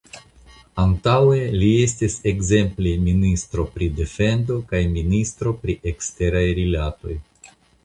Antaŭe li estis ekzemple ministro pri defendo kaj ministro pri eksteraj rilatoj.